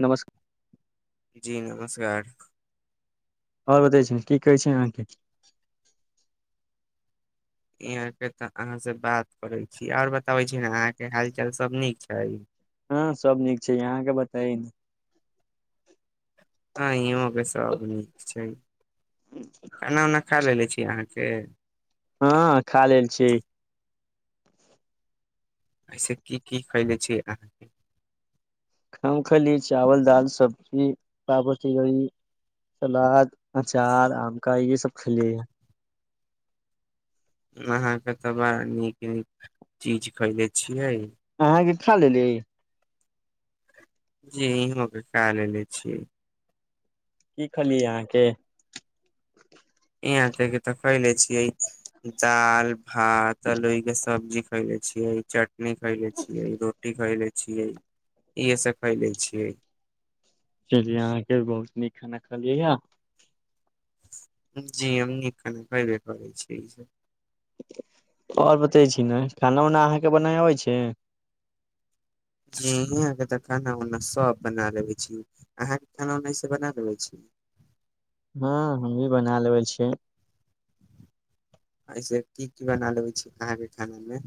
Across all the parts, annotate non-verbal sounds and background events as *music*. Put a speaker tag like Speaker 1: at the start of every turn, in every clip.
Speaker 1: नमस्कार
Speaker 2: जी नमस्कार
Speaker 1: आओर बतै छी की कहै छै अहाँके
Speaker 2: यहाँ के त अहाँ से बात करै छी आऔर बताबे छी ने अहाँ के हाल चाल सब नीक छै
Speaker 1: हँ सब नीक छै यहाँके बताय ने
Speaker 2: ह इहों के सब नीक छै खाना उना खा लेले छी अहाँके
Speaker 1: हँ खा लेल छीय
Speaker 2: ऐसे की की कैले छी अहाँके
Speaker 1: हम खली चावल दाल सब्जी पापड़ तीलौरी सलाद अचार आमका ये सब खलियै य
Speaker 2: अहाँके तऽ बड़ा नीक नीक चीज कैईले छियै
Speaker 1: अहाँ के खा लेली
Speaker 2: जी इहों के खा लेलेे छियै
Speaker 1: की खलियै अहाँके
Speaker 2: यहां ते के त खले छिये दाल भात अलोइ के सब्जी खइले छियै चटनी खइले छियै रोटी खइले छियै इहे सब कै ले छियै
Speaker 1: चलियै अहाँके बहुत नीक खाना खलियै य
Speaker 2: जी हम नीक कने करबे करै छी इसऽ
Speaker 1: और बतै छी नै खाना उना अहाँके बनाय अबै छै
Speaker 2: हू ईह के खाना उना सब बना लेे छी अहां के खाना उनास बना लेे छी
Speaker 1: हँ हम भी बना लेबे छियै
Speaker 2: ऐसे की की बना लेबै छी अहाँके खाना मे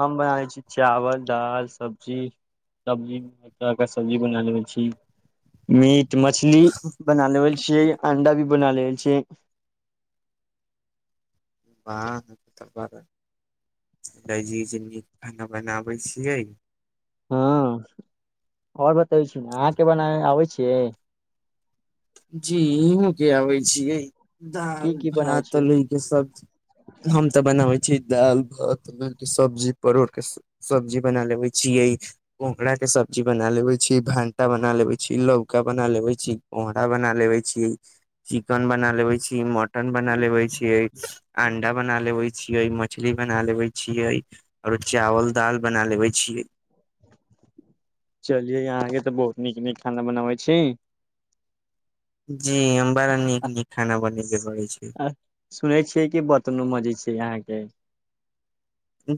Speaker 1: हम बनाबै छी चावल दाल सब्जी सब्जी चना का सब्जी बना लेे छी मीट मछली बना लेवल छियै अंडा भी बना लेवल छियै
Speaker 2: वाह त ब लजीज नीक खाना बनाबै छियै
Speaker 1: हूं आओर बतबै छी अहाँके बना आबै छियै
Speaker 2: जी इहो के आबै छियै
Speaker 1: की
Speaker 2: दाल
Speaker 1: की बनाबै
Speaker 2: भात
Speaker 1: छियै
Speaker 2: तलई के सब्जी हम तऽ बनाबै छीये दालि भात *unintelligible* के सब्जी परोरके सब्जी बना लेबे छियै पोखरा के सब्जी बना लेवे छी भनटा बना लेवे छीयै लौका बना लेबे छियै *unintelligible* बना लेवे छी चिकेन बना लेबे छी म मटन बना लेवे छिय अंडा बना लेवे छिय मछली बना लेवे छियै औरो चावल दाल बना लेवे छीयै
Speaker 1: चलिये यहाँ के तऽ बहुत नीक नीक खाना बनाबै छी
Speaker 2: जी हम बड़ा नीक नीक खाना बनेबे क रै छिय
Speaker 1: आ सुनै छियै कि बतनो मजै छियै अहाँ के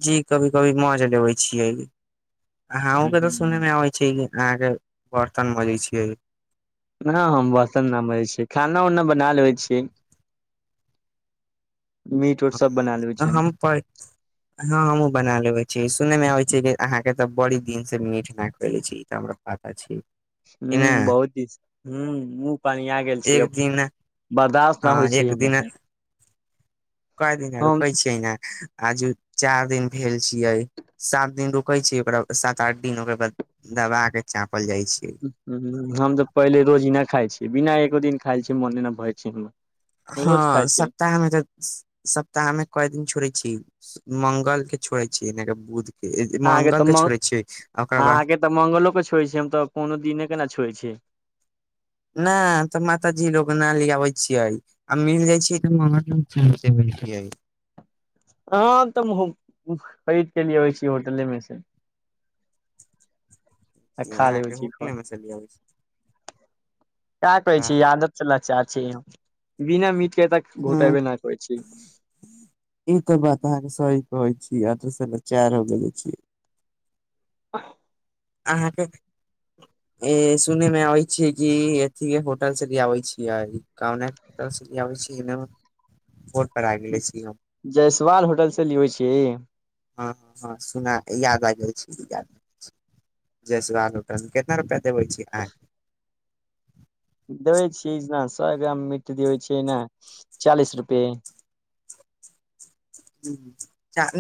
Speaker 2: जी कभी कभी माज लेबे छियै आहु के त सुनने मे आबै ठीक अहाँ के बर्तन मजै छीयै
Speaker 1: यहाँ हम बर्सन न माजै छीयै खाना उना बना लेबै छीयै मीट उट सब बना लेबे छीय हम
Speaker 2: प हँ हमूँ बना लेबय छीये सुनय मे आबे छै कि अहाँके तऽ बड़ी दिन से मीठ ना खइले छी इ तऽ हमरा आता छी कि ने
Speaker 1: हूं बहुत दिस हूं मुह पनियागेल छिय
Speaker 2: एक दिन
Speaker 1: बर्दाश्त न होइ
Speaker 2: हँ
Speaker 1: छै हमरा से
Speaker 2: काइऽ दिना
Speaker 1: हम
Speaker 2: रुकै छियै ने आजू चारि दिन भेल छियै सात दिन रुकै छै ओकरा सात आठ दिन ओकर बाद दबा के चापल जाइ छै
Speaker 1: हू हम तऽ पहिले रोजी नहि खाय छीयै बिना एको दिन खाइ छिय मोने न भए छै हमऽ
Speaker 2: हँ सप्ताहमे तऽ सप्ताह मे कय दिन छोड़े छी मंगल के छोड़े छी बुध
Speaker 1: अहाँके
Speaker 2: मंगल
Speaker 1: तऽ
Speaker 2: के
Speaker 1: म
Speaker 2: छोड़ै छियै ओकर बाद
Speaker 1: अहाँके तऽ मंगलो क छोए छियै हम तऽ कोनो दिने क ने छोए छिय
Speaker 2: नई तऽ माताजी लोग नइ ली आबै छियै आ मिल जाइ छियै *unintelligible*
Speaker 1: ह तऽ महू खरीद के लि अबै छी होटले मे से *unintelligible* आ खा लेबे
Speaker 2: अहाँके
Speaker 1: छी घ
Speaker 2: होटले मे से ले आबै छी
Speaker 1: काऽ कहै
Speaker 2: हँ
Speaker 1: छी आदत समाचार छैयौ बिना मीट के त घोटाइबे ना करै छै
Speaker 2: ई तऽ बात अहाँके सही कहै छी आ दोस चार हो गेले छी
Speaker 1: *inaudible* *inaudible*
Speaker 2: अहाँके ए सुने मे आबै छियै कि एथि होटल से ले आबै छियै कन तबै छै *unintelligible* ने फर पर गेलै सी
Speaker 1: जयसवाल होटलसँ लियबै छीयै
Speaker 2: हँ हँ हँ सुना याद आ गेल छै विद्यार्थी जैसवाल होटल कितना रुपआ देबे छी आई
Speaker 1: देबै छियै जेना सए ग्राम मीट देवय छियै न चालिस रुपे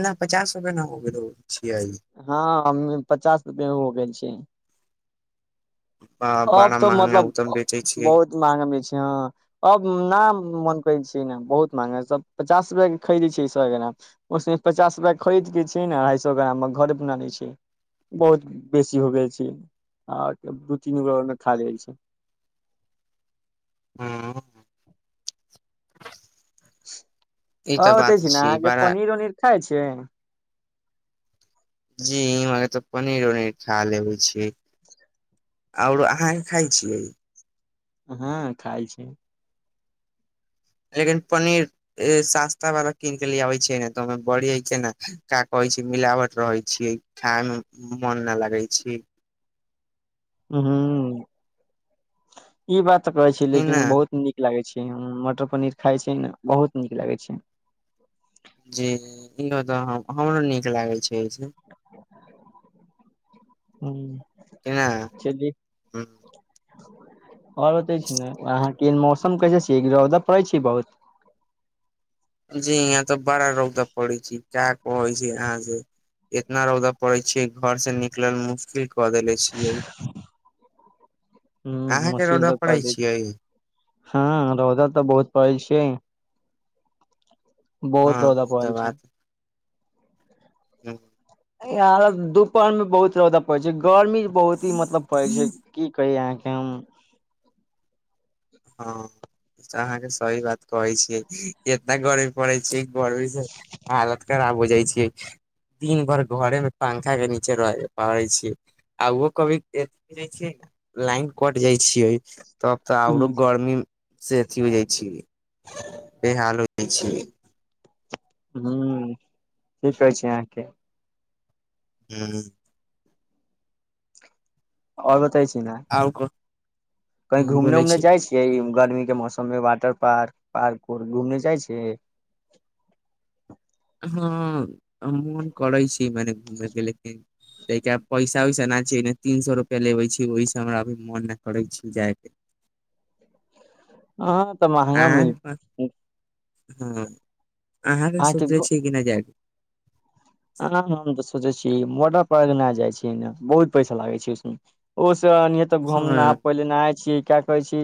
Speaker 2: न पचास रुपै न होबे देबय छियइ
Speaker 1: हँ आ पचास रुपआ हो गेल छै अब
Speaker 2: बड़ा
Speaker 1: तऽ
Speaker 2: महंगा उ
Speaker 1: मतलब
Speaker 2: तऽ हम बेचै छियै
Speaker 1: बहुत महग मे छै अहा अब न मोन करै छै न बहुत महंगा सब पचास रुपआ के खरीदै छै सौ ग्राम ओसे पचास रुपआ खरीद लै छियै ने अढ़ाई सए ग्राम घरे बना लै छियै बहुत बेसी हो गेल छै आ दू तीन गोरा और मे खा लै छै
Speaker 2: हँ ई
Speaker 1: ह
Speaker 2: तऽ
Speaker 1: बते
Speaker 2: बात
Speaker 1: छी ने
Speaker 2: छियै
Speaker 1: अहाँके
Speaker 2: बड़ा
Speaker 1: पनीर उनीर खाय छी
Speaker 2: जी इर तो पनीर उनीर खा लेबे छी
Speaker 1: *unintelligible*
Speaker 2: आओर अहाँके खाइ छियै
Speaker 1: हँ खाय छै
Speaker 2: लेकिन पनीर सस्ता वाला कीन के ले आबे छैै ने त बढ़ छै ने क कहै छै मिलावट रहै छियइ खायमे मोन ना लगै छै
Speaker 1: हं हं ई बात तऽ कहै छी
Speaker 2: कि
Speaker 1: लेकिन
Speaker 2: ने
Speaker 1: बहुत नीक न लागे छै मटर पनीर खाइ छै ने बहुत नीक लागै छै
Speaker 2: जी इहो तऽ हमरो नीक लागै छै से
Speaker 1: *inaudible*
Speaker 2: ने
Speaker 1: हं चलि आओर बतय छी ने अहाँ के मौसम कैसे छी रौदा पड़ै छी बहुत
Speaker 2: जी यहाँ तऽ बड़ा रौदा पड़ै छय क्या कहै छै यहाँ से इतना रौदा पड़े छै घर से निकलैमे मुश्किल क देेले छै हं
Speaker 1: ह
Speaker 2: अहाँके
Speaker 1: मशीन
Speaker 2: रौडऽ
Speaker 1: तक प
Speaker 2: पड़ै
Speaker 1: दै छै
Speaker 2: छियै
Speaker 1: हँ रौदा तऽ बहुत पड़ल छियइ बहुत
Speaker 2: हँ
Speaker 1: र *unintelligible* जा
Speaker 2: ई
Speaker 1: पल छै
Speaker 2: हं
Speaker 1: यहाँ पर दुपहर मे बहुत रौदा पड़ै छै गर्मी बहुत ही मतलब पड़ै छै की कही अहाँके हम
Speaker 2: हँ तऽ अहाँके सही बात कहै छियइ ए इना गर्मी पड़ै छय गर्मी से हालत खराब हो जाई छियै दिन भर घरे में पंखा के नीचे रह पड़े पाबाई छीिय आहो कभी जाई छियै लाइन कट जाई छियइ तब तऽ आरो गर्मी से अथी हो जाई छै बे हाल हो जाई छय
Speaker 1: हं सही कहै छी अहाँके
Speaker 2: हूँ
Speaker 1: ओर बतै छी ना
Speaker 2: ओर को *unintelligible*
Speaker 1: कहीं घूमने उमने जाय छियै गर्मी के मौसम में वाटर पार्क पार्क उर्क घूमने जाय छियै
Speaker 2: हँ मोन करै छी मने घूमैके लेकिन ताके पैसा वैसेना छय तीन सए रुपआ लेबे छी ओहिसे हमराभी मन नहि करै छी जाय के *unintelligible*
Speaker 1: हँ तमा
Speaker 2: अहाँके हँ अहाँके सोचले छियै कि नहि जाक
Speaker 1: ह हम तऽ सोचै छी मोटर पार्क नहि जाइ छै ने बहुत पैसा लागे छै उसमे ओ स त घूम नहा
Speaker 2: हँ
Speaker 1: पहिले नहााय छीै किया कहै छी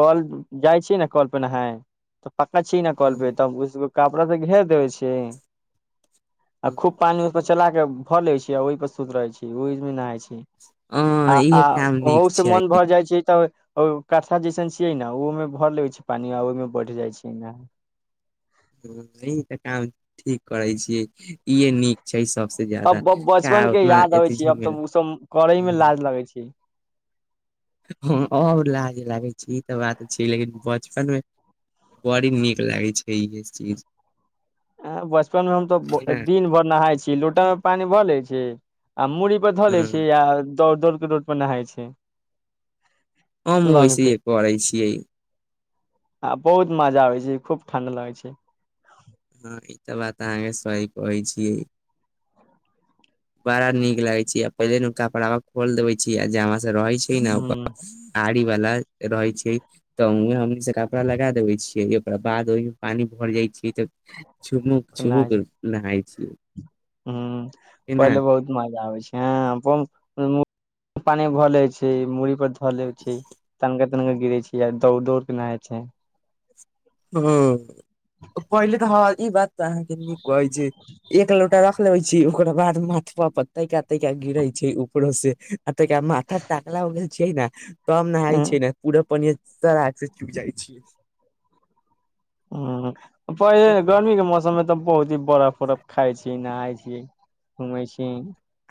Speaker 1: कल जाइ छी ने कल पे नहाय तऽ पक्का छिय ने कल पे तब उसो कपड़ा त घेर देबे आ खूब पानी उ पर चला के भर ले छी आ ओहि पर सुत रहे छी ओ मे नहाय छै आ
Speaker 2: हँ
Speaker 1: आ
Speaker 2: इहे काम नीक
Speaker 1: ओहो से
Speaker 2: छै
Speaker 1: मोन भर जाइ छय तऽ ओ कठा जैसन छियै ने ओमे भर लगै छै पानि आ ओहिमे बढ़ जाइ छय ने
Speaker 2: हं य तऽ काम ठीक करै छीियै इहे नीक छय सबसँ
Speaker 1: अब
Speaker 2: ज्यादा
Speaker 1: बचपन के
Speaker 2: उतना
Speaker 1: याद
Speaker 2: अथ झमेला ह *unintelligible*
Speaker 1: लागइ छी
Speaker 2: ह आओर लाज लागै छी ई तऽ बात छै लेकिन बचपन में बड़ी नीक लागै छय इह चीज
Speaker 1: बचपन में हम तो
Speaker 2: ह
Speaker 1: दिन भर नहाय छी लोटाे में पानी भर ले छै आ मुड़ी धऽ लय छै या दौड़ दौड़ के रोड पर नहाय छै
Speaker 2: हमहुँ वैसे हे करै छियइ
Speaker 1: आ बहुत मजा आबै छै खूब ठण्ड लगै छय
Speaker 2: हँ ई तऽ बात अहाँके सही कहै छियइ बड़ा नीक लागे छै आ पहिले न कपड़ा में खोल देे छी आ जामा रहै छै ने ओकर
Speaker 1: ह
Speaker 2: आड़ी वाला रहै छय तऽ उं हमनी से कपड़ा लगा देबे छियै ओकरा बाद ओहिमे पानी भर जाइ छैयै तऽ छुमुक छुमक नहाय छियै
Speaker 1: हूँ
Speaker 2: कि ने
Speaker 1: पहले बहुत मजा आबै छाए *unintelligible* मुड़ी पर ले छै, तनिका-तनिका गिरै छी, दौड़-दौड़ केना होइ छै।
Speaker 2: हूँ, पहिले तऽ ई बात तऽ अहाँकेँ नहि कहै छै। एक लोटा रख लेवे छी ओकरा बाद माथ पर तैका तैका गिर। ऊपरसँ आ तऽ माथा ताकला हो गेल छै ने, तखन ने छै पूरा पियर। सराक से चुकि जाइ छी
Speaker 1: ह, पहिले गर्मी के मौसम मे तखन बहुत बरफ-उरफ खाइ छी, नहाइ छी, घुमै छी।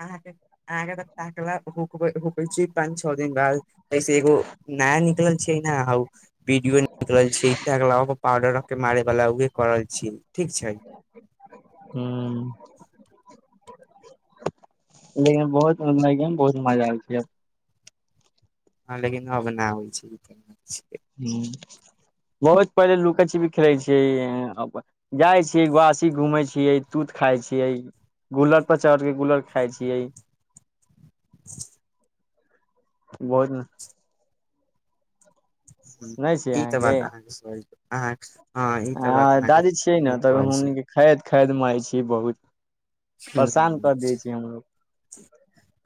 Speaker 2: अहाँकेँ अहाँकेँ त टकलाकै छी पाँच छओ दिन बाद। से एगो नया निकल छै न हउ। वीडियो निकल छी पाउडरख के मारे बाला उहे करल छी ठीक छै।
Speaker 1: हूँ। लेकिन बहुत मत बहुत मजा अबल छैब।
Speaker 2: हँ, लेकिन अब नहि होइ छै।
Speaker 1: ह, बहुत पहिले लुकै छी भी खेलै छिये। जाइ छियै वासी घूमे छियै तूत खाय छियै गुलद। पचार के गुलर खाइ छियै बहुत।
Speaker 2: ह
Speaker 1: सुनै छियै
Speaker 2: ई तऽ
Speaker 1: अहाँके
Speaker 2: बात अहाँके। हँ ई तऽ बात
Speaker 1: आ
Speaker 2: अहाँकेँ
Speaker 1: दादी छियै ने
Speaker 2: नीक
Speaker 1: तब
Speaker 2: कहै
Speaker 1: हमनी
Speaker 2: छी।
Speaker 1: के खैद खैद मै छी बहुत परेशान
Speaker 2: हूँ
Speaker 1: कर दै छी हमलोग।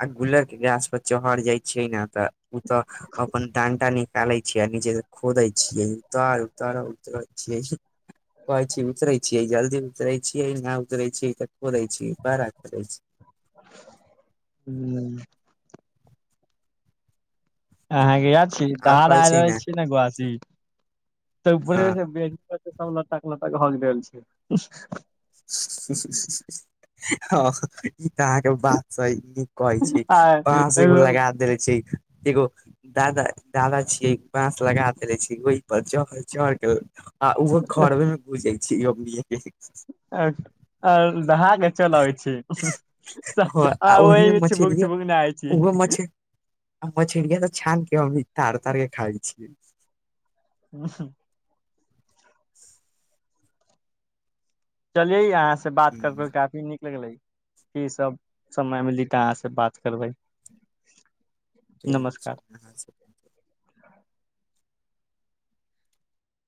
Speaker 2: आ गुलरके गाछ पर चहर जाइ छियै ने तऽ ओ तऽ अपन डानटान। खलै छियै नीचे खोदै छियै उतार उतार उतरै छियै। कहै छै उचरै छी। जल्दी उतरे छियै, नहि उतरे छियै छियै बड़ा करै छी।
Speaker 1: नै अहाँकेँ छी
Speaker 2: आओर
Speaker 1: दहर
Speaker 2: कहै
Speaker 1: आय
Speaker 2: छै
Speaker 1: रहल छी ने गासी तऽ ऊपरे।
Speaker 2: हँ
Speaker 1: सभ लत्ताक लत हक गेल छै।
Speaker 2: ह। ई, तऽ अहाँकेँ बात से नीक कहै छै,
Speaker 1: आ
Speaker 2: ब से एगो लगा देले छै। एगो दादा दादा छियै बास लगा देले छी ओहि पर चढ़के आ ओहो घरमे बुजै छै यमके।
Speaker 1: दहााक चल अबै छै। आ
Speaker 2: ओहि मे
Speaker 1: ओहिमे
Speaker 2: मछरी
Speaker 1: छिपुक छुपुक नहाये छी।
Speaker 2: हम छिड़किया तऽ छानके हमी तड़ता के खाइ छिय
Speaker 1: ह। चलिये यहाँसँ बात करबे काफी नीक लगलै कि सभ समय मिली तऽ अहाँसँ बात करबै।
Speaker 2: ठीक
Speaker 1: नमस्कार
Speaker 2: छै अहाँकेँ।